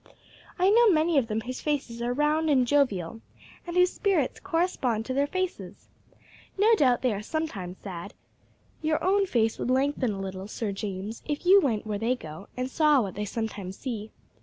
I know many of them whose faces are round and jovial, and whose spirits correspond to their faces. No doubt they are sometimes sad. Your own face would lengthen a little, Sir James, if you went where they go, and saw what they sometimes see."